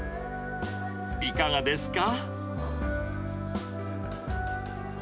いかがですか？